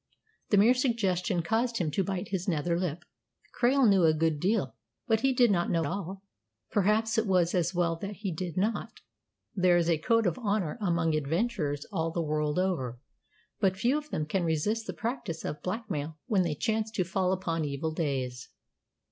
The mere suggestion caused him to bite his nether lip. Krail knew a good deal, but he did not know all. Perhaps it was as well that he did not. There is a code of honour among adventurers all the world over; but few of them can resist the practice of blackmail when they chance to fall upon evil days.